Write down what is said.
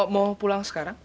mau pulang sekarang